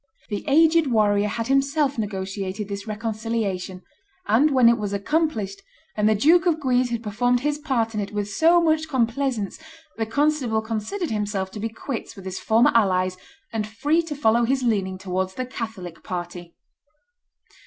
The aged warrior had himself negotiated this reconciliation; and when it was accomplished, and the Duke of Guise had performed his part in it with so much complaisance, the constable considered himself to be quits with his former allies, and free to follow his leaning towards the Catholic party.